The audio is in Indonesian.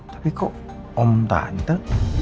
tapi kok om tante